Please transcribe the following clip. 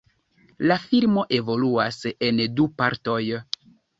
La filmo evoluas en du partoj.